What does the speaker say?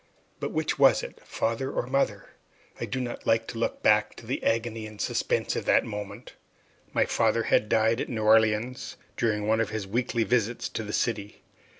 But which was it, father or mother? I do not like to look back to the agony and suspense of that moment. My father had died at New Orleans during one of his weekly visits to the city.